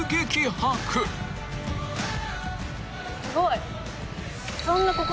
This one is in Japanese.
すごい。